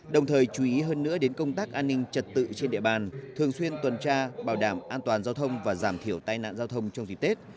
đồng thời chú ý hơn nữa đến công tác an ninh trật tự trên địa bàn thường xuyên tuần tra bảo đảm an toàn giao thông và giảm thiểu tai nạn giao thông trong dịp tết